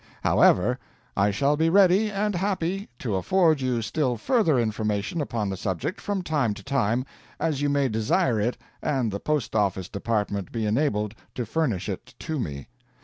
However, I shall be ready, and happy, to afford you still further information upon the subject, from time to time, as you may desire it and the Post office Department be enabled to furnish it to me.